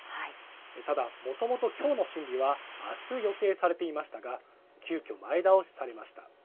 ただ、もともときょうの審理はあす予定されていましたが、急きょ、前倒しされました。